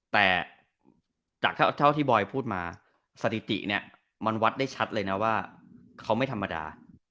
แต่จากเท่าที่บอยพูดมาสถิติเนี่ยมันวัดได้ชัดเลยนะว่าเขาไม่ธรรมดา